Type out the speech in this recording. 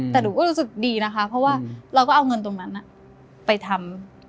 แต่หนูก็รู้สึกดีนะคะเพราะว่าเราก็เอาเงินตรงนั้นไปทำ